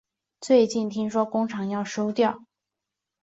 最近听说工厂要收掉了